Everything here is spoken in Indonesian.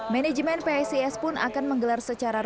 manajemen psis pun akan menggelar secara resmi